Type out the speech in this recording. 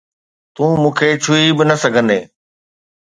تون مون کي ڇهي به نه سگهندين